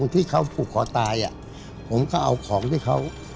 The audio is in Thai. ที่ปูข่อตายอะผมก็เอาของที่เขา